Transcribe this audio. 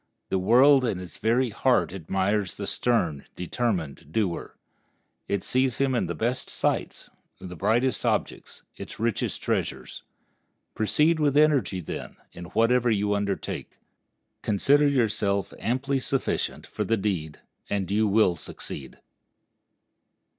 The world in its very heart admires the stern, determined doer. It sees in him its best sights, its brightest objects, its richest treasures. Proceed with energy, then, in whatever you undertake. Consider yourself amply sufficient for the deed, and you will succeed.